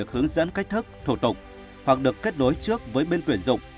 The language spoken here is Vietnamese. hoặc được kết nối trước với bên tuyển dụng